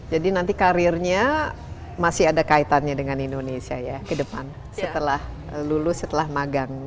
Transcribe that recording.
jadi nanti karirnya masih ada kaitannya dengan indonesia ya ke depan setelah lulus setelah magang